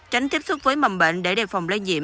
tránh tiếp xúc với mầm bệnh để đề phòng lây nhiễm